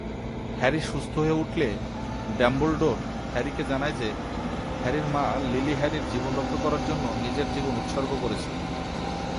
Harry সুস্থ হয়ে উঠলে, ডাম্বলডোর হ্যারিকে জানায় যে, হ্যারির মা লিলি হ্যারির জীবন রক্ষা করার জন্য নিজের জীবন উৎসর্গ করেছিল।